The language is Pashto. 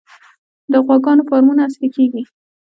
د غواګانو فارمونه عصري کیږي